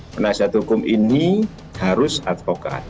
penasihat hukum ini harus advokat